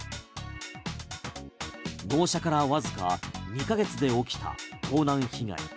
納車からわずか２か月で起きた盗難被害。